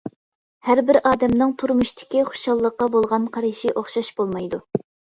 ھەر بىر ئادەمنىڭ تۇرمۇشتىكى خۇشاللىققا بولغان قارشى ئوخشاش بولمايدۇ.